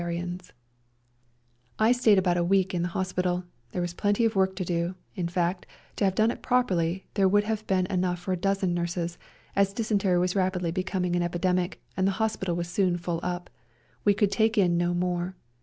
REJOINING THE SERBIANS 13 I stayed about a week in the hospital ; there was plenty of work to do — in fact, to have done it properly there would have been enough for a dozen nurses, as dysen tery was rapidly becoming an epidemic, and the hospital was soon full up ; we could take in no more.